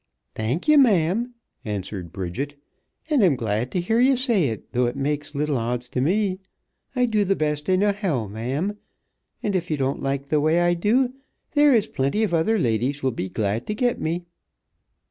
"Thank ye, ma'am," answered Bridget, "and I'm glad to hear ye say it, though it makes little odds t' me. I do the best I know how, ma'am, and if ye don't like the way I do, there is plenty of other ladies would be glad t' get me."